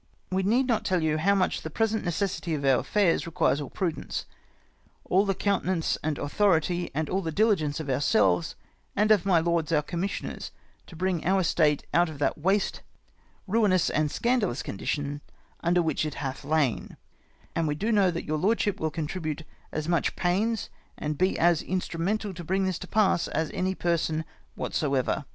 " We need not tell you how much the present necessity of our affairs requires all the prudence, all the countenance and authority, and all the diligence of ourselves, and of my lords, our commissioners, to bring our estate out of that waste, ruinous, and scandalous condition under which it hath lain, and we do know that your lordship will contribute as much pains, and be as instrumental to bring this to pass as any person whatsoever.